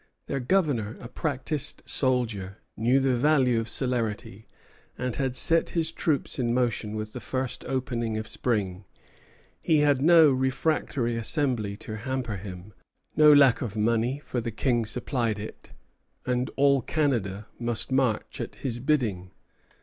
Their Governor, a practised soldier, knew the value of celerity, and had set his troops in motion with the first opening of spring. He had no refractory assembly to hamper him; no lack of money, for the King supplied it; and all Canada must march at his bidding.